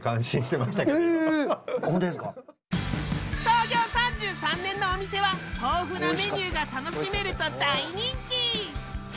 創業３３年のお店は豊富なメニューが楽しめると大人気！